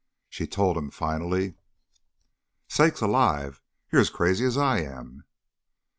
She told him, finally: "Sakes alive! You're as crazy as I am."